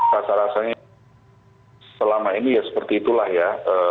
rasa rasanya selama ini ya seperti itulah ya